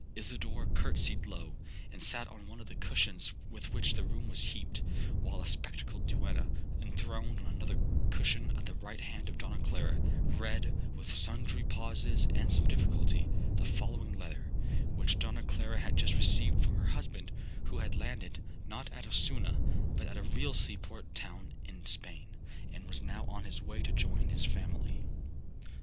'Isidora curtsied low, and sat on one of the cushions with which the room was heaped,—while a spectacled duenna, enthroned on another cushion at the right hand of Donna Clara, read, with sundry pauses and some difficulty, the following letter, which Donna Clara had just received from her husband, who had landed, not at Ossuna,1 but at a real sea port town in Spain, and was now on his way to join his family.